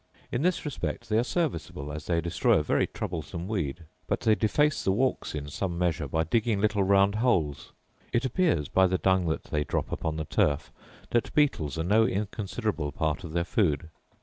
In this respect they are serviceable, as they destroy a very troublesome weed; but they deface the waffles in some measure by digging little round holes. It appears, by the dung that they drop upon the turf, that beetles are no inconsiderable part of their food.